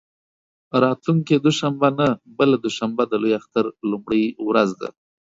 راتلونکې دوشنبه نه، بله دوشنبه د لوی اختر لومړۍ ورځ ده.